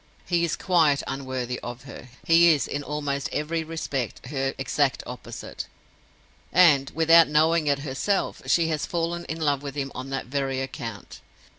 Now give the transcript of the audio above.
He is quite unworthy of her; he is, in almost every respect, her exact opposite—and, without knowing it herself, she has fallen in love with him on that very account.